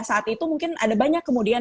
saat itu mungkin ada banyak kemudian